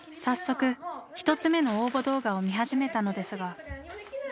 早速１つ目の応募動画を見始めたのですが。